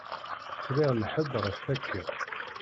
Friɣ lḥebb ɣef takka.